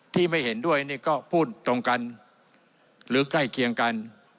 ไม่เห็นด้วยนี่ก็พูดตรงกันหรือใกล้เคียงกัน